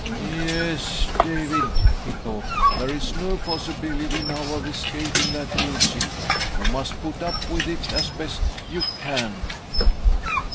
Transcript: " Yes, David," he thought, " there is no possi bility now of escaping that music; you must put up with it as best you can."